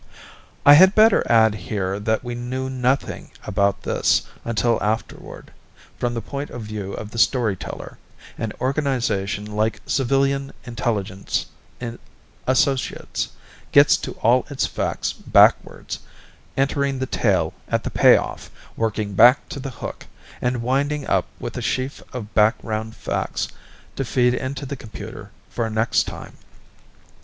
I had better add here that we knew nothing about this until afterward; from the point of view of the storyteller, an organization like Civilian Intelligence Associates gets to all its facts backwards, entering the tale at the pay off, working back to the hook, and winding up with a sheaf of background facts to feed into the computer for Next Time.